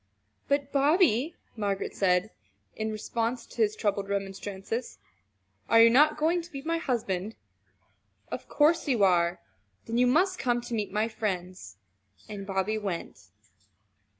"But, Bobby," Margaret had said in response to his troubled remonstrances, "are you not going to be my husband? Of course you are! Then you must come to meet my friends." And Bobby went.